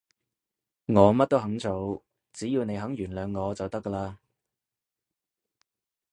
我乜都肯做，只要你肯原諒我就得㗎喇